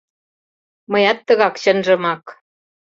Мыят тыгак чынжымак